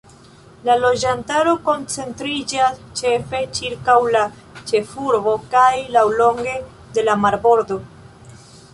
La loĝantaro koncentriĝas ĉefe ĉirkaŭ la ĉefurbo kaj laŭlonge de la marbordo.